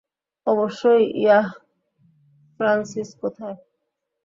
অবশ্যই yeah Francis কোথায়?